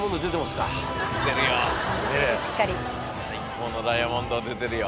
最高のダイヤモンド出てるよ。